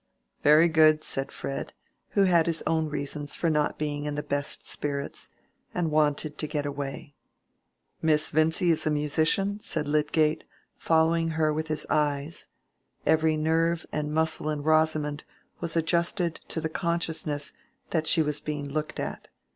"Very good," said Fred, who had his own reasons for not being in the best spirits, and wanted to get away. "Miss Vincy is a musician?" said Lydgate, following her with his eyes. (Every nerve and muscle in Rosamond was adjusted to the consciousness that she was being looked at.